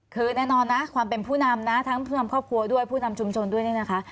คือแน่นอนนะความเป็นผู้นำนะทั้งผู้นำครอบครัวด้วยผู้นำชุมชนด้วยนี่นะคะ